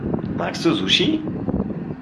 Magst du Sushi?